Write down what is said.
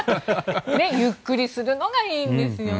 ゆっくりするのがいいんですよね。